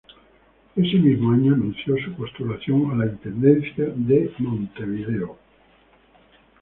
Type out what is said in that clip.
Ese mismo año anuncian su postulación a la Intendencia de Montevideo.